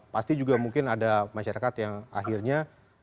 pasti juga mungkin ada masyarakat yang akhirnya